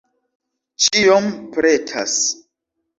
Ĉiom pretas.